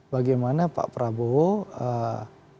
bagaimana pak prabowo fokus bekerja